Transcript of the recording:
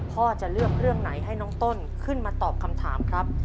พ่อจะเลือกเรื่องไหนให้น้องต้นขึ้นมาตอบคำถามครับ